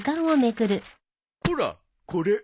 ほらこれ。